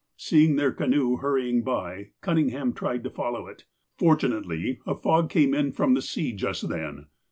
Seeing their canoe hurrying by, Cunning ham tried to follow it. Fortunately, a fog came in from the sea just then.